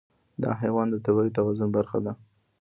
دا حیوان د طبیعي توازن برخه ده.